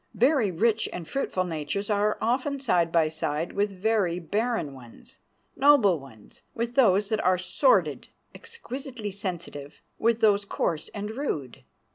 Very rich and fruitful natures are often side by side with very barren ones; noble ones, with those that are sordid; exquisitely sensitive, with those coarse and rude.